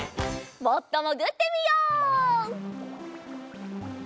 もっともぐってみよう。